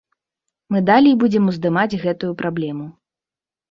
Мы далей будзем уздымаць гэтую праблему.